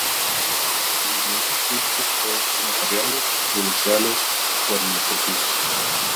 Los documentos públicos pueden ser notariales, judiciales o administrativos.